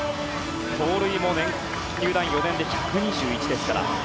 盗塁も入団４年目で１２１ですから。